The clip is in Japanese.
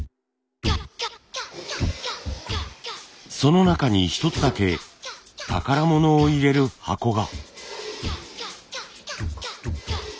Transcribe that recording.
その中に一つだけ宝物を入れる箱が。